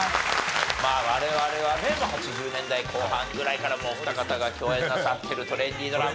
まあ我々はね８０年代後半ぐらいからお二方が共演なさってるトレンディードラマ